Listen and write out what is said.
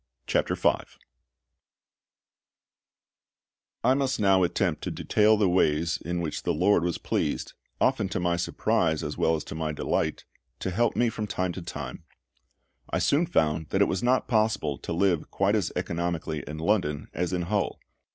CHAPTER V LIFE IN LONDON I MUST not now attempt to detail the ways in which the LORD was pleased often to my surprise, as well as to my delight to help me from time to time. I soon found that it was not possible to live quite as economically in London as in Hull.